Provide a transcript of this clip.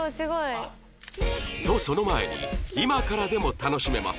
とその前に今からでも楽しめます